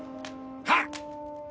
・はっ！